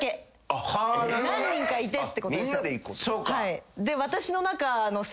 何人かいてってことです。え。